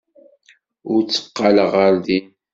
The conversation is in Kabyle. Ur tteqqaleɣ ɣer din.